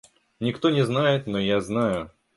Никто не знает, но я знаю.